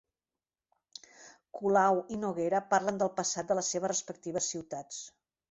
Colau i Noguera parlen del passat de les seves respectives ciutats